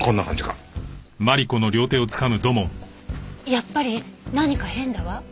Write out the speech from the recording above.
やっぱり何か変だわ。